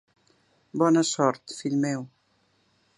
Bona sort, fill meu.